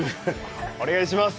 お願いします。